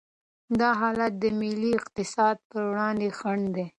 دا حالت د ملي اقتصاد پر وړاندې خنډ دی.